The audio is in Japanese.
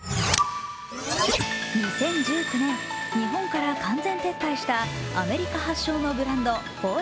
２０１９年、日本から完全撤退したアメリカ発祥のブランドＦＯＲＥＶＥＲ